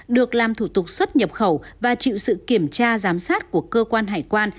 được làm thủ tục xuất nhập khẩu và chịu sự kiểm tra giám sát của cơ quan hải quan